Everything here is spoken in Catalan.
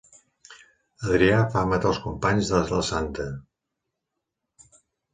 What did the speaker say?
Adrià fa matar els companys de la santa.